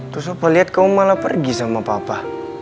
terus apa liat kamu malah pergi sama papa